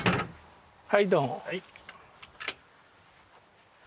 はいどうも。